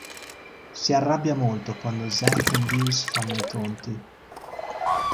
Si arrabbia molto quando Zack e Deuce fanno i tonti.